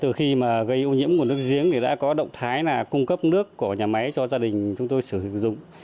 từ khi mà gây ô nhiễm nguồn nước giếng thì đã có động thái là cung cấp nước của nhà máy cho gia đình chúng tôi sử dụng